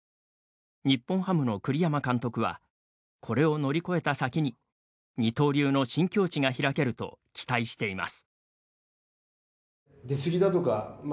日本ハムの栗山監督はこれを乗り越えた先に二刀流の新境地が開けると期待しています。